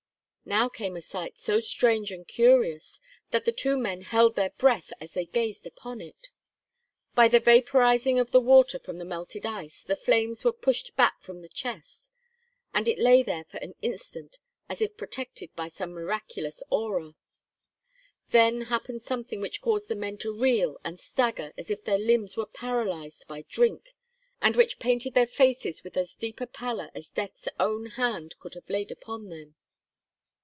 Now came a sight so strange and curious that the two men held their breath as they gazed upon it! By the vaporizing of the water from the melted ice the flames were pushed back from the chest, and it lay there for an instant, as if protected by some miraculous aura. Then happened something which caused the men to reel and stagger as if their limbs were paralyzed by drink, and which painted their faces with as deep a pallor as death's own hand could have laid upon them.